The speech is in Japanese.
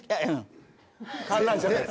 観覧車で。